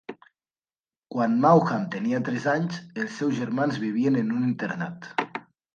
Quan Maugham tenia tres anys, els seus germans vivien en un internat.